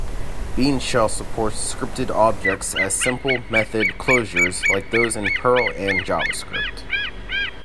BeanShell supports scripted objects as simple method closures like those in Perl and JavaScript.